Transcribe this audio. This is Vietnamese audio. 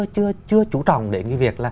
chưa chú trọng đến cái việc